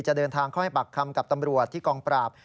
จะเดินทางเข้าให้ปากคำกับตำรวจที่กองปราบ